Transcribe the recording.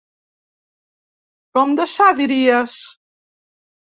Com de sa, diries?